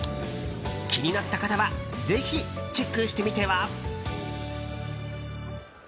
気になった方はぜひチェックしてみては？